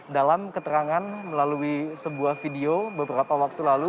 dalam keterangan melalui sebuah video beberapa waktu lalu